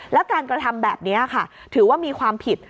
แล้วการกระทำแบบนี้ค่ะถือว่ามีความผิด